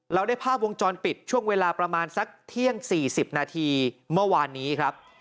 เราได้ภาพวงจรปิดช่วงเวลาประมาณสักเที่ยง๔๐นาทีเมื่อวานนี้ครับ